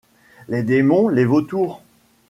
Les démons, les vautours